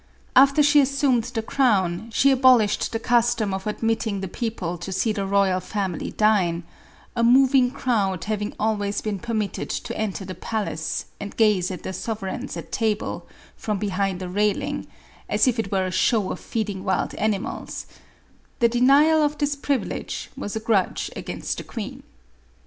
After she assumed the crown, she abolished the custom of admitting the people to see the royal family dine, a moving crowd having always been permitted to enter the palace, and gaze at their sovereigns at table, from behind a railing, as if it were a show of feeding wild animals; — the denial of this privilege was a grudge against the queen.